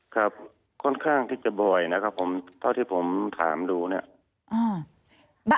ครับค่อนข้างที่จะบ่อยนะครับผมเท่าที่ผมถามดูเนี่ย